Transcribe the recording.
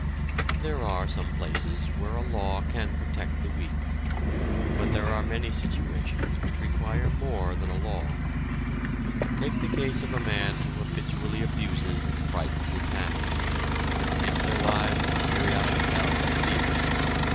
There are some places, where a law can protect the weak, but there are many situations which require more than a law. Take the case of a man who habitually abuses and frightens his family, and makes their lives a periodic hell of fear.